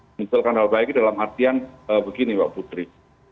memunculkan hal baik dalam artian begini pak putri